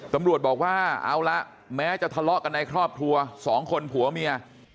ตำรวจบอกว่าเอาละแม้จะทะเลาะกันในครอบครัว๒คนผัวเมีย